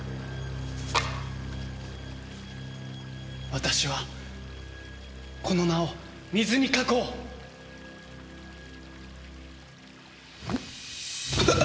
「私はこの名を水に書こう」うっ！